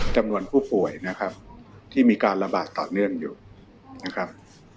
จำนวนผู้ป่วยนะครับที่มีการระบาดต่อเนื่องอยู่นะครับ